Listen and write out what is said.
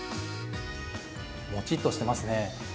もちっとしていますね。